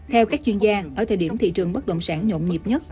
theo các chuyên gia ở thời điểm thị trường bất động sản nhộn nhịp nhất